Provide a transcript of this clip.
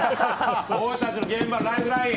俺たちの現場のライフライン！